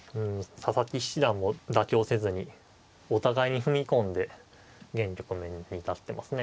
佐々木七段も妥協せずにお互いに踏み込んで現局面に至ってますね。